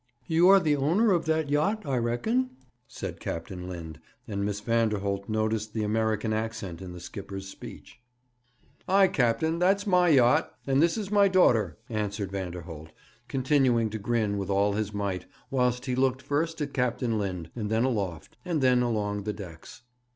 'You are the owner of that yacht, I reckon?' said Captain Lind; and Miss Vanderholt noticed the American accent in the skipper's speech. 'Ay, captain, that's my yacht, and this is my daughter,' answered Vanderholt, continuing to grin with all his might, whilst he looked first at Captain Lind, and then aloft, and then along the decks.